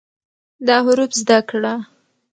دا حروف زده کړه